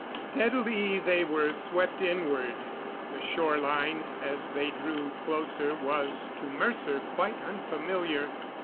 Steadily they were swept inward. The shore line, as they drew closer, was to Mercer quite unfamiliar.